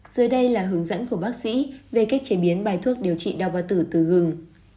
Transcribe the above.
dưới đây là hướng dẫn của bác sĩ về cách chế biến bài thuốc điều trị đau ba tử từ gừng